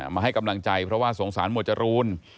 มาให้กำลังใจเพราะว่าสงสารหมวดจรูน